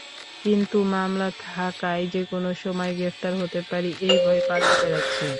কিন্তু মামলা থাকায় যেকোনো সময় গ্রেপ্তার হতে পারি—এই ভয়ে পালিয়ে বেড়াচ্ছি।